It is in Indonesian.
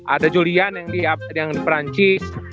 ada julian yang di perancis